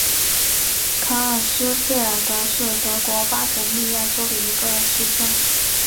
卡尔斯费尔德是德国巴伐利亚州的一个市镇。